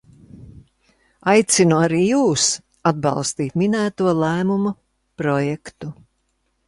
Aicinu arī jūs atbalstīt minēto lēmuma projektu.